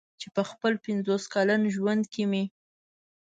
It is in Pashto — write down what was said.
چې په خپل پنځوس کلن ژوند کې مې.